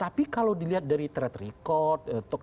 tapi kalau dilihat dari track record token record dan juga dari data data